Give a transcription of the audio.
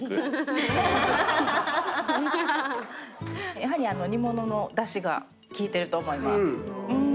やはり煮物の出汁が効いてると思います。